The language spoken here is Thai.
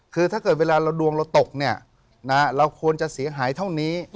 คือถ้าเกิดเวลาเราดวงเราตกเนี่ยเราควรจะเสียหายเท่านี้